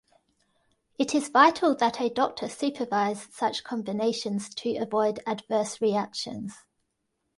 It is vital that a doctor supervise such combinations to avoid adverse reactions.